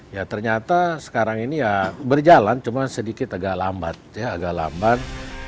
ya ternyata sekarang ini ya berjalan cuma sedikit agak lambat ya agak lambat